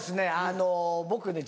あの僕ね